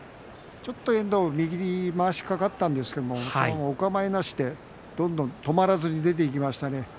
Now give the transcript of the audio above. ちょっと遠藤に右まわし掛かったんですがお構いなしでどんどん止まらずに出ていきましたね。